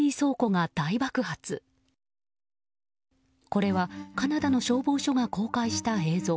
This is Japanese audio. これはカナダの消防署が公開した映像。